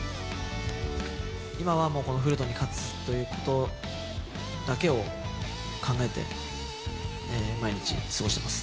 今はもう、このフルトンに勝つということだけを考えて、毎日過ごしてます。